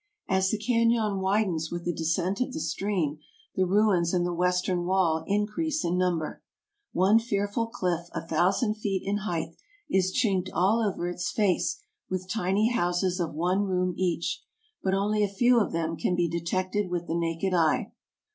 As the canon widens with the descent of the stream the ruins in the western wall increase in number. One fearful cliff a thousand feet in height is chinked all over its face with tiny houses of one room each, but only a few of them can be detected with the naked eye.